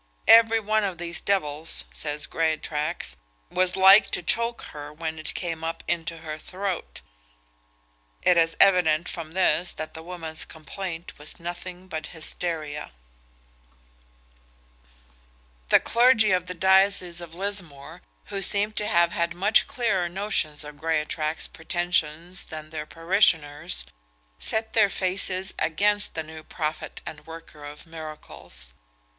"Every one of these devils," says Greatraks, "was like to choke her when it came up into her throat." It is evident from this that the woman's complaint was nothing but hysteria. Greatraks' Account of himself, in a letter to the Honourable Robert Boyle. The clergy of the diocese of Lismore, who seem to have had much clearer notions of Greatraks' pretensions than their parishioners, set their faces against the new prophet and worker of miracles.